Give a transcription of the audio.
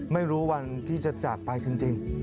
ไม่รู้วันที่จะจากไปจริง